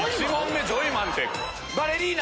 バレリーナ。